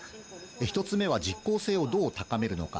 １つ目は実効性をどう高めるのか。